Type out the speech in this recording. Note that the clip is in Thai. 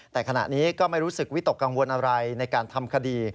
แต่ขณะนี้ก็ไม่รู้สึกวิตกกังวลอะไรในการทำคดี